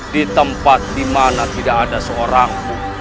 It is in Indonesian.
di tempat dimana tidak ada seorang